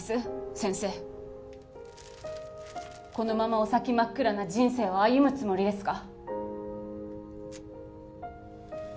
先生このままお先真っ暗な人生を歩むつもりですか？